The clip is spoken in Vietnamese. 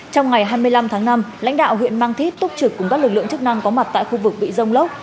trong ngày hai mươi năm tháng năm lãnh đạo huyện mang thít túc trực cùng các lực lượng chức năng có mặt tại khu vực bị rông lốc